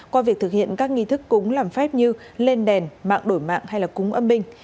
qua việc thực hiện các nghi thức cúng làm phép như lên đèn mạng đổi mạng hay là cúng âm binh